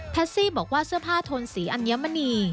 ซี่บอกว่าเสื้อผ้าโทนสีอัญมณี